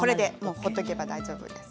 放っておけば大丈夫です。